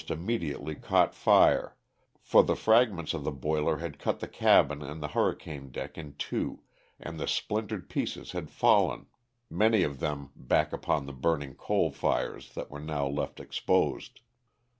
9 immediately caught fire, for tho fragments of the boiler had cut the cabin and the hurricane deck in tivo and the splintered pieces had fallen, many of them, back upon the burning coal fires that were now left exposed.